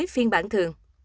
phiên bản thường